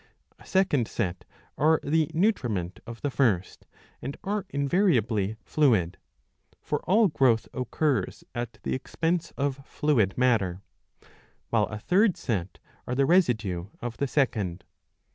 A second set are the nutriment of the first, and are invariably fluid, for all growth occurs at the expense of fluid matter ;* while a third set are the residue of the second.